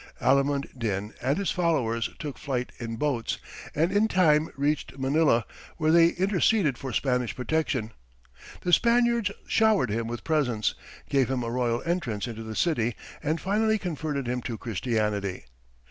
Alimund Din and his followers took flight in boats, and in time reached Manila, where they interceded for Spanish protection. The Spaniards showered him with presents, gave him a royal entrance into the city, and finally converted him to Christianity.